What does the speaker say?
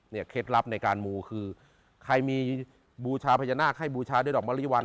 เคล็ดลับในการมูคือใครมีบูชาพญานาคให้บูชาด้วยดอกมะลิวัน